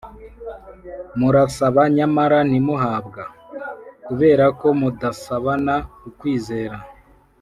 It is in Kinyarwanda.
Murasaba nyamara ntimuhabwa kubera ko mudasabana ukwizera